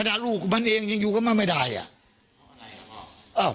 ฮดาลูกมันเองจนอยู่ก็มาไม่ได้อะ